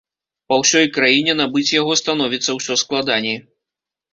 Па ўсёй краіне набыць яго становіцца ўсё складаней.